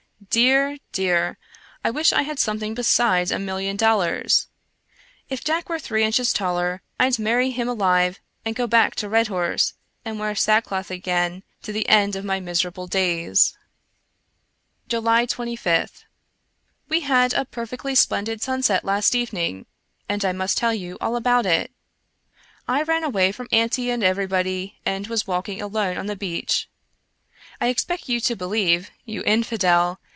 Dear, dear! I wish I had something besides a million dollars ! If Jack were three inches taller I'd marry him alive and go back to Red horse and wear sackcloth again to the end of my miserable days. loo Ambrose Bierce July 25th. We had a perfectly splendid sunset last evening, and I must tell you all about it. I ran away from Auntie and everybody, and was walking alone on the beach. I expect you to believe, you infidel!